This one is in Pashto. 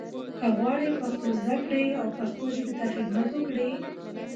چې غواړي پښتو زده کړي او پښتو ژبې ته خدمت وکړي.